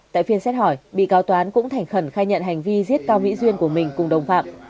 tại phiên xét hỏi bị cáo toán cũng thành khẩn khai nhận hành vi giết cao mỹ duyên của mình cùng đồng phạm